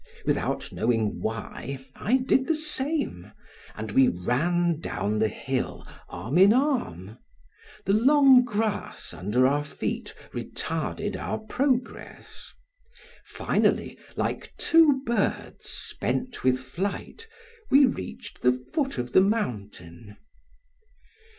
Without knowing why, I did the same, and we ran down the hill, arm in arm; the long grass under our feet retarded our progress. Finally, like two birds, spent with flight, we reached the foot of the mountain.